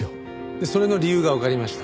でそれの理由がわかりました。